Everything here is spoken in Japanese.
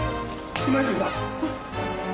今泉さん。